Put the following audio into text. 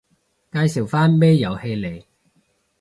介紹返咩遊戲嚟